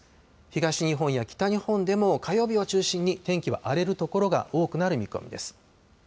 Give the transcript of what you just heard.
東日本や北日本でも火曜日を中心に天気は荒れる所が多くなる見込みです。